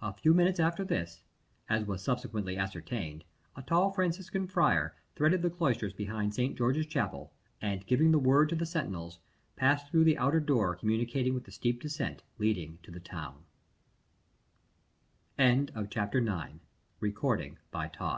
A few minutes after this, as was subsequently ascertained, a tall Franciscan friar threaded the cloisters behind Saint George's Chapel, and giving the word to the sentinels, passed through the outer door communicating with the steep descent leading to the town. X. How Herne the Hunter was himself hunted.